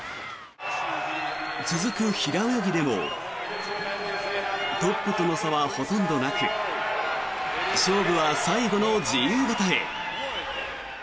続く平泳ぎでもトップとの差はほとんどなく勝負は最後の自由形へ。